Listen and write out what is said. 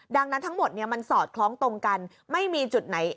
ดังนั้นทั้งหมดมันสอดคล้องตรงกันไม่มีจุดไหน